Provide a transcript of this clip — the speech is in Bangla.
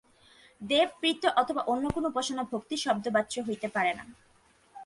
দেব, পিতৃ অথবা অন্য কোন উপাসনা ভক্তি-শব্দবাচ্য হইতে পারে না।